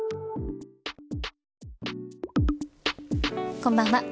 こんばんは。